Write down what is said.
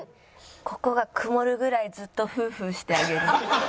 ここが曇るぐらいずっとフーフーしてあげる。